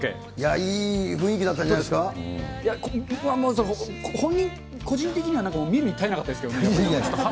いい雰囲気だったんじゃないもう、本人、個人的には見るに堪えなかったですけどね。